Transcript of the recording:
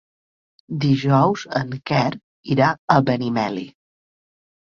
Dijous en Quer irà a Benimeli.